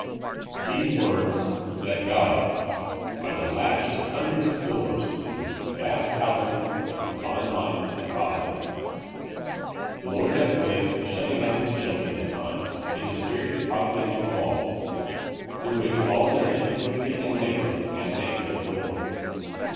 These words '' let God '' are the latch to hundreds of doors in the vast palaces of di vine life and providence. The I^ord has ways of shut ting up His children at times in mysterious providen tial w^alls, through which all their ingenuity and labor can make no door.